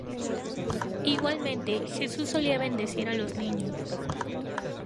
Igualmente, Jesús solía bendecir a los niños.